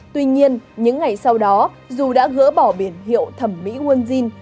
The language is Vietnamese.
tuy nhiên những ngày sau đó dù đã gỡ bỏ biển hiệu thẩm mỹ quân dinh